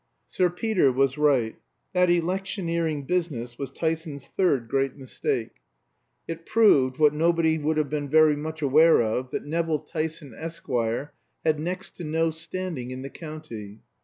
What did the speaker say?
Sir Peter was right: that electioneering business was Tyson's third great mistake. It proved, what nobody would have been very much aware of, that Nevill Tyson, Esquire, had next to no standing in the county.